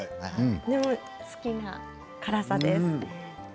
でも好きな辛さです。